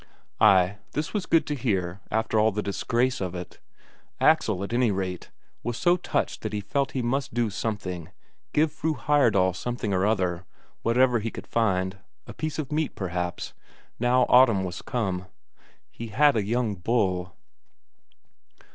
Ay, this was good to hear after all the disgrace of it. Axel, at any rate, was so touched that he felt he must do something, give Fru Heyerdahl something or other, whatever he could find a piece of meat perhaps, now autumn was come. He had a young bull....